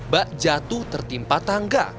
bak jatuh tertimpa tangga